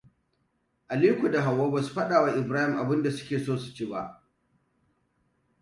Aliko da Hauwa basu faɗawa Ibrahima abun da suke so su ci.